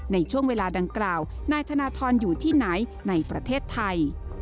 ในช่วงเวลาดังกล่าวนายธนทรอยู่ที่ไหนในประเทศไทย